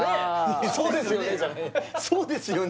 「そうですよね」